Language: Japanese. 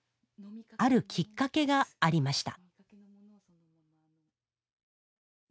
あるきっかけがありました